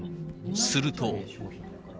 すると。